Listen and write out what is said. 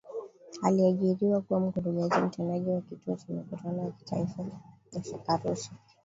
Aliajiriwa kuwa Mkurugenzi Mtendaji wa Kituo cha Mikutano ya Kimataifa Arusha